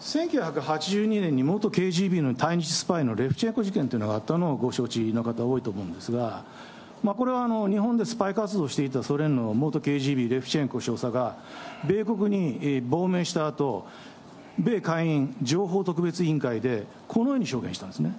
１９８２年に元ＫＧＢの対日スパイのレフチェンコ事件というのがあったのをご承知の方、多いと思うんですが、これは日本でスパイ活動をしていたソ連の元ＫＧＢレフチェンコ少佐が、米国に亡命したあと、米下院情報特別委員会で、このように証言したんですね。